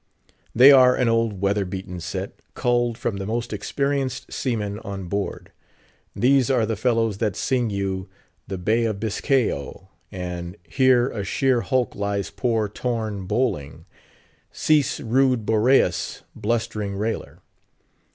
They are an old weather beaten set, culled from the most experienced seamen on board. These are the fellows that sing you "The Bay of Biscay Oh!" and "Here a sheer hulk lies poor Torn Bowling!" "_Cease, rude Boreas, blustering railer!